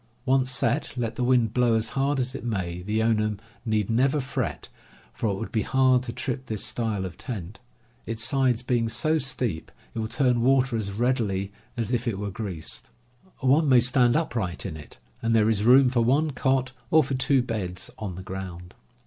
Once set, let the wind blow as hard as it may, the owner need never fret, for it would be hard to trip this style of tent. Its sides being so steep, it will turn water as readily as if it were greased. One may stand upright in it, and there is room for one cot or for two beds on the ground."